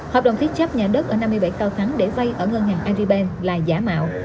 hợp đồng thế chấp nhà đất ở năm mươi bảy cao thắng để vay ở ngân hàng agribank là giả mạo